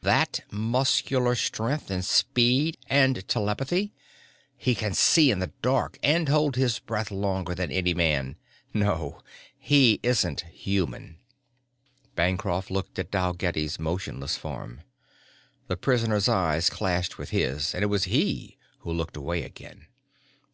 "That muscular strength and speed, and telepathy. He can see in the dark and hold his breath longer than any man. No, he isn't human." Bancroft looked at Dalgetty's motionless form. The prisoner's eyes clashed with his and it was he who looked away again.